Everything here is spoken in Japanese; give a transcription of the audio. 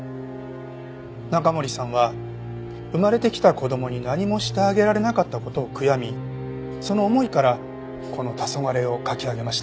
中森さんは生まれてきた子供に何もしてあげられなかった事を悔やみその思いからこの『黄昏』を描き上げました。